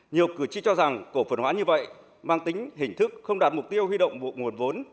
nhiều cử tri cho rằng cổ phần hóa như vậy mang tính hình thức không đạt mục tiêu huy động một nguồn vốn